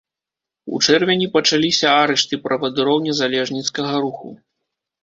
У чэрвені пачаліся арышты правадыроў незалежніцкага руху.